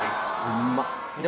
うまっ。